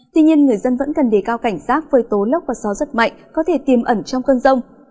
tuy nhiên người dân vẫn cần đề cao cảnh giác với tố lốc và gió rất mạnh có thể tiềm ẩn trong cơn rông